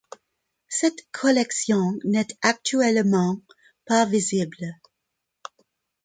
Cette collection n'est actuellement pas visible.